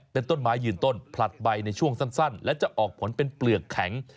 เป็นต้นไม้ยืนต้นผลัดใบในช่วงสั้นและจะออกผลเป็นเปลือกแข็ง